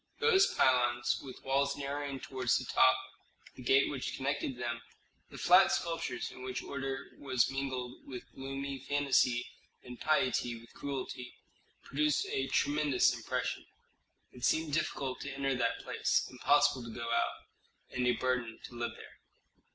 Those pylons with walls narrowing toward the top, the gate which connected them, the flat sculptures in which order was mingled with gloomy fantasy and piety with cruelty, produced a tremendous impression. It seemed difficult to enter that place, impossible to go out, and a burden to live there.